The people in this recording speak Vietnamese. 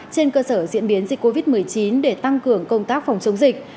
trên cơ sở diễn biến dịch covid một mươi chín để tăng cường công tác phòng chống dịch